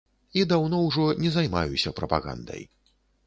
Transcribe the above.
І даўно ўжо не займаюся прапагандай.